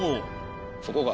そこが。